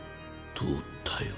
通ったよ。